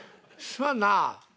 すまんなあ」。